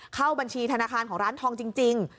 เข้าบัญชีธนาคารของร้านทองจริง